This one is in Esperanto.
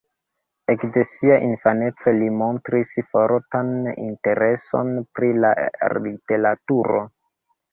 Ekde sia infaneco li montris fortan intereson pri la literaturo.